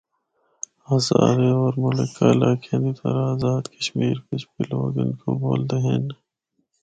ہزارے ہور ملحقہ علاقیاں دی طرح ٓازاد کشمیر بچ بھی لوگ ہندکو بُولدے ہن۔